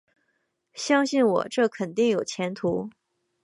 相信我，这肯定有前途